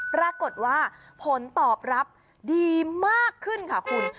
ปรากฏว่าผลตอบรับดีมากขึ้นค่ะคุณ